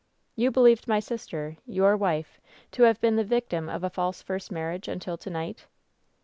I "You believed my sister, your wife, to have been the victim of a false first marriage until to night